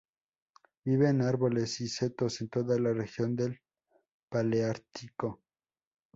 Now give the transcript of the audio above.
Vive en árboles y setos en toda la región del Paleártico.